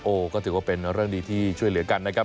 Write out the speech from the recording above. ก็ถือว่าเป็นเรื่องดีที่ช่วยเหลือกันนะครับ